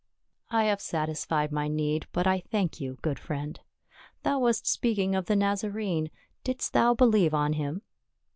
" I have satisfied my need, but I thank you, good friend. — Thou wast speaking of the Nazarene ; didst thou believe on him?"